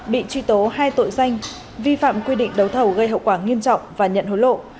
bị truy tố hai tội danh vi phạm quy định đấu thầu gây hậu quả nghiêm trọng và nhận hối lộ